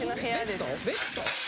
ベッド？